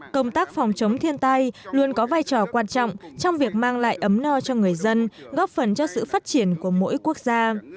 công tác phòng chống thiên tai luôn có vai trò quan trọng trong việc mang lại ấm no cho người dân góp phần cho sự phát triển của mỗi quốc gia